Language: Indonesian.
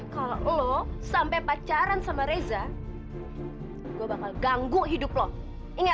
kalau lo sampai pacaran sama reza gue bakal ganggu hidup lo ini